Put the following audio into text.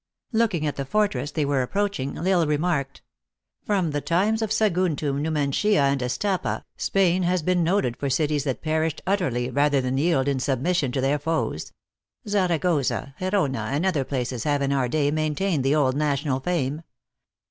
Looking at the fortress they were approaching, L Isle remarked :" From the times of Saguntum, Numantia, and Astapa, Spain has been noted for cities that perished utterly rather than yield in sub mission to their foes Zaragoza, Gerona, and other places have in our day maintained the old national fame.